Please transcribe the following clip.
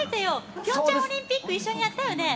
ピョンチャンオリンピック一緒にやったよね。